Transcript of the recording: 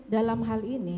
dalam hal ini